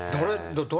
誰？